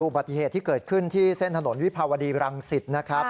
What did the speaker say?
อุบัติเหตุที่เกิดขึ้นที่เส้นถนนวิภาวดีรังสิตนะครับ